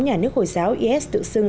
nhà nước hồi giáo is tự xưng